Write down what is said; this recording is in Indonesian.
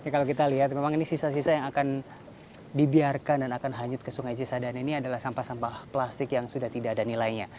kalau kita lihat memang ini sisa sisa yang akan dibiarkan dan akan hanyut ke sungai cisadana ini adalah sampah sampah plastik yang sudah tidak ada nilainya